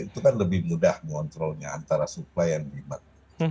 itu kan lebih mudah mengontrolnya antara suplai yang diimat